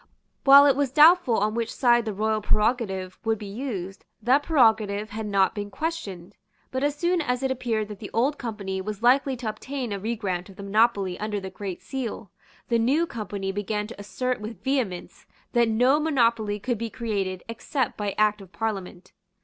While it was doubtful on which side the royal prerogative would be used, that prerogative had not been questioned. But as soon as it appeared that the Old Company was likely to obtain a regrant of the monopoly under the Great Seal, the New Company began to assert with vehemence that no monopoly could be created except by Act of Parliament.